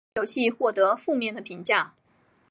该游戏获得负面的评价。